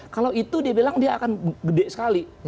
kalau itu dia bilang dia akan gede sekali